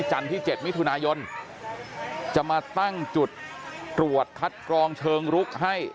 ที่๗มิถุนายนจะมาตั้งจุดตรวจคัดกรองเชิงลุกให้